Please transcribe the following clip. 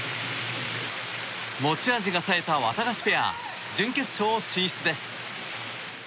持ち味がさえたワタガシペア準決勝進出です。